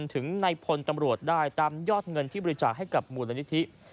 ถึงในพลตำรวจได้ตามยอดเงินที่บริจาคให้กับมูลนิธิ